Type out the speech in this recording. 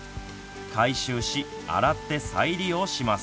回収し、洗って再利用します。